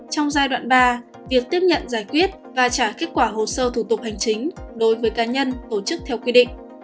trong giai đoạn ba việc tiếp nhận giải quyết và trả kết quả hồ sơ thủ tục hành chính đối với cá nhân tổ chức theo quy định